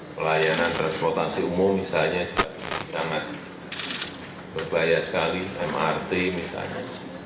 pelayanan transportasi umum misalnya juga sangat berbahaya sekali mrt misalnya